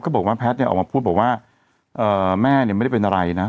บอกว่าแพทย์เนี่ยออกมาพูดบอกว่าแม่เนี่ยไม่ได้เป็นอะไรนะ